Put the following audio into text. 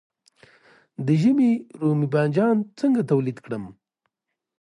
د ژمي رومي بانجان څنګه تولید کړم؟